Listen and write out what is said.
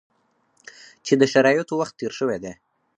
چې د شرایطو وخت تېر شوی دی.